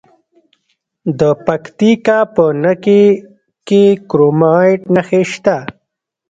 د پکتیکا په نکې کې د کرومایټ نښې شته.